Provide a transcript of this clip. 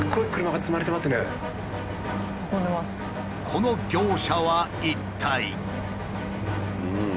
この業者は一体。